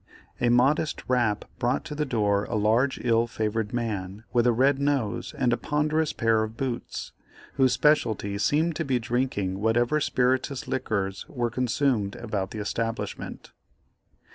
A modest rap brought to the door a large ill favored man with a red nose and a ponderous pair of boots, whose speciality seemed to be drinking whatever spirituous liquors were consumed about the establishment.